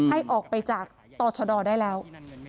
ให้ออกไปจากต่อชะดอได้แล้ว